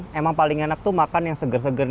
memang paling enak itu makan yang segar segar